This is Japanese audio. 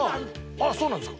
あっそうなんですか？